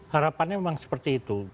harapannya memang seperti itu